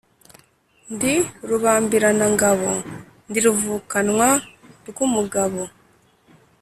Ndi rubambiranangabo, ndi ruvukanwa rw'umugabo